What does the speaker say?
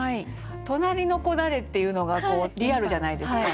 「隣の子誰」っていうのがリアルじゃないですか。